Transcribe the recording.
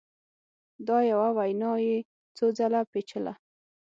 دا یوه وینا یې څو ځله پېچله